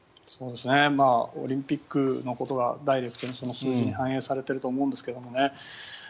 オリンピックのことがダイレクトに数字に反映されてると思うんですけどね。